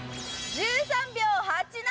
１３秒８７！